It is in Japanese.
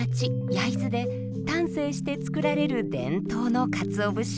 焼津で丹精してつくられる伝統のかつお節。